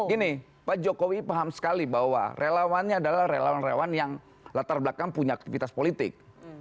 gini pak jokowi paham sekali bahwa relawannya adalah relawan relawan yang latar belakang punya aktivitas politik